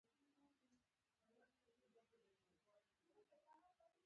دښمن د تور نیت سرکښه وي